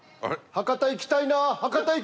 博多行きたいな。